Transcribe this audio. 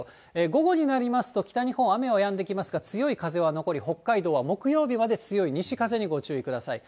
午後になりますと北日本、雨はやんできますが、強い風は残り、北海道は木曜日まで強い西風にご注意ください。